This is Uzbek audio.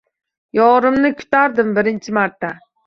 Yorimni kutardim birinchi marta